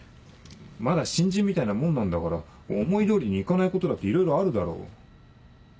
まだ新人みたいなもんなんだから思い通りに行かないことだっていろいろあるだろ。